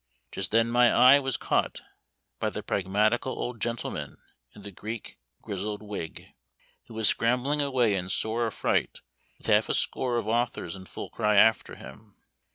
Just then my eye was caught by the pragmatical old gentleman in the Greek grizzled wig, who was scrambling away in sore affright with half a score of authors in full cry after him.